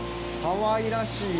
かわいらしい。